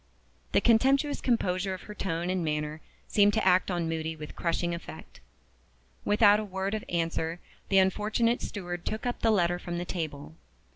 The contemptuous composure of her tone and manner seemed to act on Moody with crushing effect. Without a word of answer, the unfortunate steward took up the letter from the table.